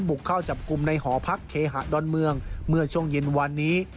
บุกเข้าจับกลุ่มในหอพักเคหะดอนเมืองเมื่อช่วงเย็นวันนี้